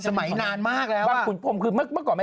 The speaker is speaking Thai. สมัยนานมากแล้วบางขุนพรมคือเมื่อก่อนแม่อยู่ตรงนี้